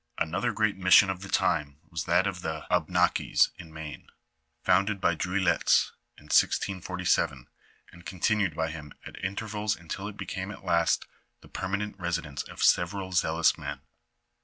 Another great mission of the time was that of the Abnakis, in Maine, founded by Druillettes in 1647, and continued by him at intervals until it became at last the permanent resi dence of several zealous men.